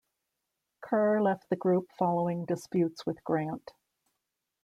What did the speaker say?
Kerr left the group following disputes with Grant.